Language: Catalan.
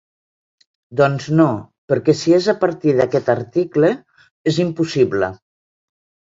Doncs no, perquè si és a partir d’aquest article, és impossible.